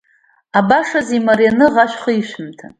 Абашазы, имарианы аӷа шәхы ишәымҭан…